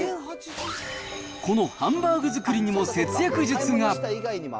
このハンバーグ作りにも節約術が。